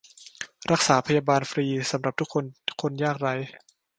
รักษาพยาบาลฟรีสำหรับ : ทุกคน คนยากไร้